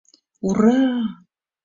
Ура-а!..